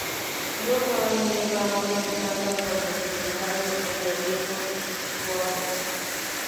Dios, Adán y Eva hablan y cantan sobre el escenario en dialecto suabo.